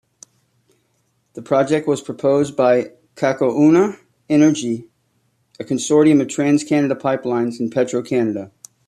The project was proposed by "Cacouna Energy", a consortium of TransCanada Pipelines and Petro-Canada.